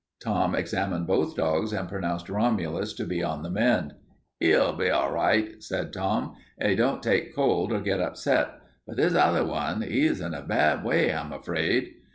Tom examined both dogs and pronounced Romulus to be on the mend. "'E'll be all right," said Tom, "if 'e don't take cold or get upset. But this other one, 'e's in a bad way, I'm afraid."